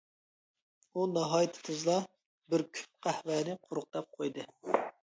ئۇ ناھايىتى تېزلا بىر كۈپ قەھۋەنى قۇرۇقداپ قويدى.